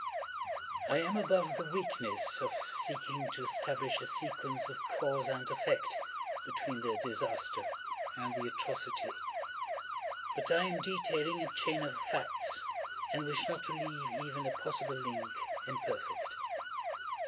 I am above the weakness of seeking to establish a sequence of cause and effect, between the disaster and the atrocity. But I am detailing a chain of facts—and wish not to leave even a possible link imperfect.